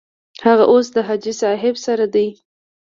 هغه اوس د حاجي صاحب سره دی.